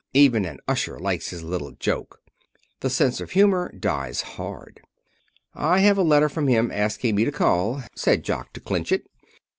Even an usher likes his little joke. The sense of humor dies hard. "I have a letter from him, asking me to call," said Jock, to clinch it.